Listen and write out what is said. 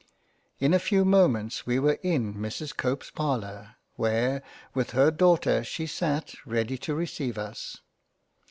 — In a few Moments we were in Mrs Cope's parlour, where with her daughter she sate ready to receive us.